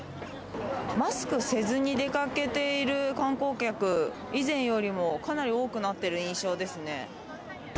マスクせずに出かけている観光客、以前よりもかなり多くなっている印象ですね。